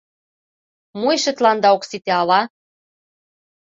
Мо эше тыланда ок сите ала?